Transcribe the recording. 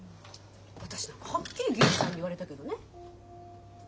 私なんかはっきり銀次さんに言われたけどね。